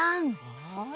はい。